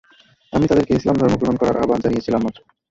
আমি তাদেরকে ইসলাম ধর্ম গ্রহণ করার আহবান জানিয়েছিলাম মাত্র।